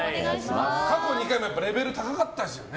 過去２回もレベル高かったですよね。